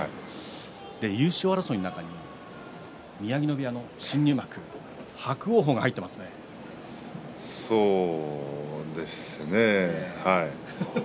優勝争いの中に宮城野部屋の新入幕そうですねはい。